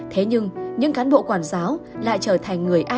thế nhưng những cán bộ quản giáo lại trở thành người giáo dục